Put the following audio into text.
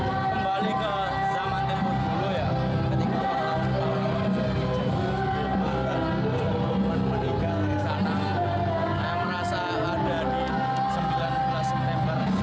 saya merasa bergantung kepada orang orang dari jawa tenggara yang belum pernah meninggal di sana